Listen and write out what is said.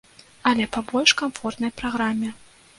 Але па больш камфортнай праграме.